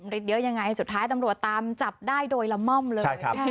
ฤทธิเยอะยังไงสุดท้ายตำรวจตามจับได้โดยละม่อมเลย